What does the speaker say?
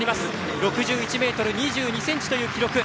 ６１ｍ２２ｃｍという記録。